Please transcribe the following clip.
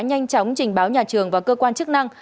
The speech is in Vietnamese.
nhanh chóng trình báo nhà trường và cơ quan chức năng